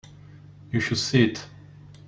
You should see it.